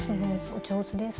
お上手です。